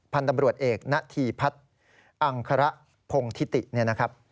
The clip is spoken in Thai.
พันธบรวจเอกณฑีพัฒน์อังคระพงษ์ธิตินะครับ